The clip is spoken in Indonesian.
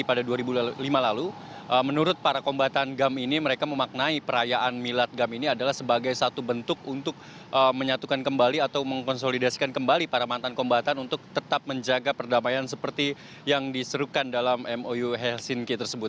pada dua ribu lima lalu menurut para kombatan gam ini mereka memaknai perayaan milad gam ini adalah sebagai satu bentuk untuk menyatukan kembali atau mengkonsolidasikan kembali para mantan kombatan untuk tetap menjaga perdamaian seperti yang diserukan dalam mou helsinki tersebut